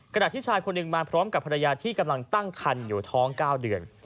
ที่ชายคนหนึ่งมาพร้อมกับภรรยาที่กำลังตั้งคันอยู่ท้อง๙เดือน